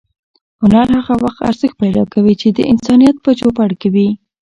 هنر هغه وخت ارزښت پیدا کوي چې د انسانیت په چوپړ کې وي.